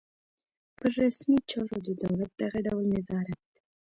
پر رسمي چارو د دولت دغه ډول نظارت.